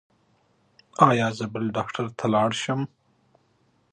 ایا زه بل ډاکټر ته لاړ شم؟